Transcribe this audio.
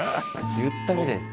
言ったみたいです。